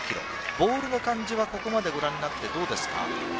ボールの感じはここまでご覧になってどうですか。